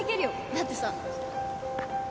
だってさ